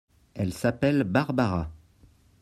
Elle s'appelle Barbara.